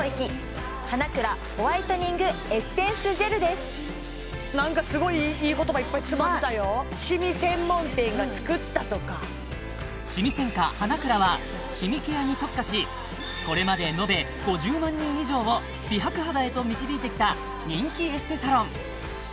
専科花蔵が作ったなんかすごいいい言葉いっぱい詰まってたよとかシミ専科花蔵はシミケアに特化しこれまでのべ５０万人以上を美白肌へと導いてきた人気エステサロン